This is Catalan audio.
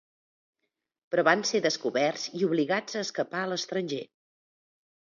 Però van ser descoberts i obligats a escapar a l'estranger.